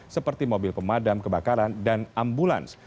seperti mobil pemadam kebakaran dan ambulans